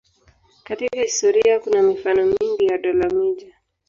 Katika historia kuna mifano mingi ya dola-miji.